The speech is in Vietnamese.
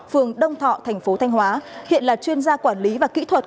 phường đông thọ thành phố thanh hóa hiện là chuyên gia quản lý và kỹ thuật